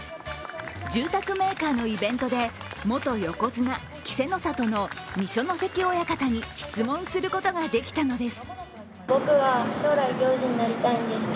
住宅メーカーのイベントで、元横綱、稀勢の里の二所ノ関親方に質問することが出来たのです。